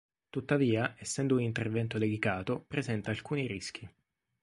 Tuttavia, essendo un intervento delicato, presenta alcuni rischi.